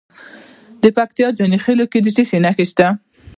د پکتیکا په جاني خیل کې د څه شي نښې دي؟